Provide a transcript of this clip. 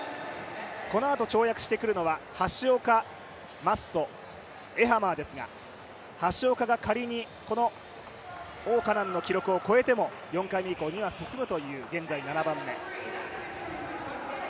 このあと跳躍してくるのは、橋岡、マッソ、エハマーですが橋岡が仮に王嘉男の記録を越えても４回目以降には進むという、現在７番目。